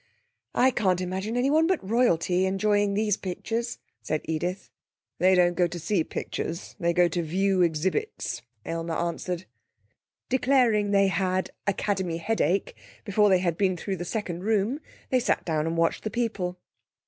'I can't imagine anyone but Royalty enjoying these pictures,' said Edith. 'They don't go to see pictures; they go to view exhibits,' Aylmer answered. Declaring they had 'Academy headache' before they had been through the second room, they sat down and watched the people.